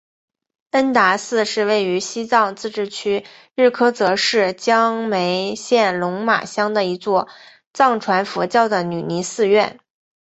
恩达寺是位于西藏自治区日喀则市江孜县龙马乡的一座藏传佛教的女尼寺院。